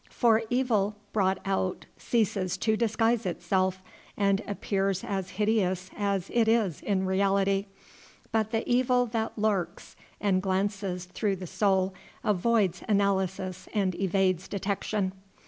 For evil brought out ceases to disguise itself, and appears as hideous as it is in reality; but the evil that lurks and glances through the soul avoids analysis and evades detection.